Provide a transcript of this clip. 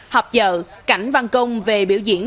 họp dợ cảnh văn công về biểu diễn